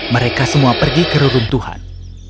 mereka semua pergi ke rurun tuhan